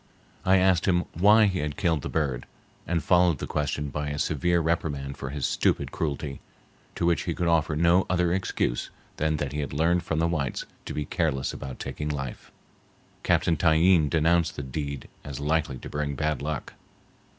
I asked him why he had killed the bird, and followed the question by a severe reprimand for his stupid cruelty, to which he could offer no other excuse than that he had learned from the whites to be careless about taking life. Captain Tyeen denounced the deed as likely to bring bad luck.